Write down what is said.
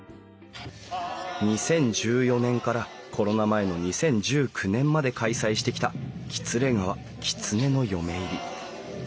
２０１４年からコロナ前の２０１９年まで開催してきたきつれ川きつねの嫁入り。